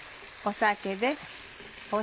酒です。